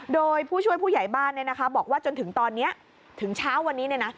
โดยผู้ช่วยผู้ใหญ่บ้านบอกว่าจนถึงตอนนี้ถึงเช้าวันนี้